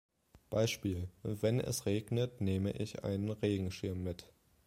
Beispiel: "Wenn es regnet, nehme ich einen Regenschirm mit.